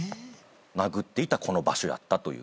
殴っていたこの場所やったという。